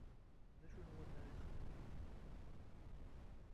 D acu n wannar ideg txeddmemt?